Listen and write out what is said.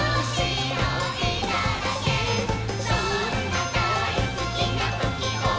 「そんなだいすきなときを」